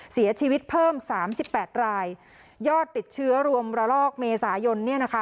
เสียชีวิตเพิ่มสามสิบแปดรายยอดติดเชื้อรวมระลอกเมษายนเนี่ยนะคะ